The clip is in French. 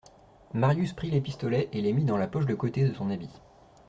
Marius prit les pistolets et les mit dans la poche de côté de son habit.